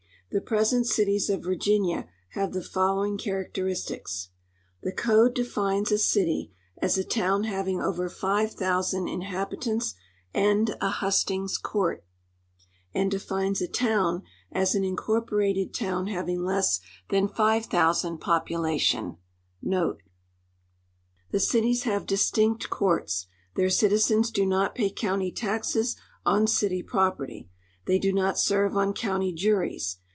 The present cities of Virginia have the following character istics : The Code defines a city as a town having over 5,000 inhabitants and a hustings court, and defines a town as an incorporated town having less than 5,000 population.* The cities have distinct courts. Their citizens do not pay county taxes on city property. They do not serve on county juries.